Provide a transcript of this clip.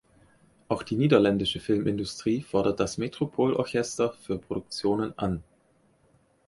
Auch die niederländische Filmindustrie fordert das Metropol Orchester für Produktionen an.